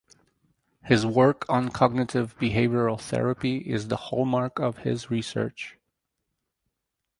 His work on cognitive behavioral therapy is the hallmark of his research.